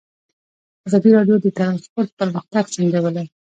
ازادي راډیو د ترانسپورټ پرمختګ سنجولی.